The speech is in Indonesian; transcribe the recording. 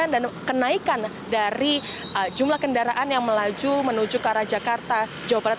dan kenaikan dari jumlah kendaraan yang melaju menuju ke arah jakarta jawa barat